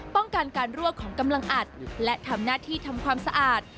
ป้องกันการรั่วของกำลังอัดและทำหน้าที่ทำความสะอาด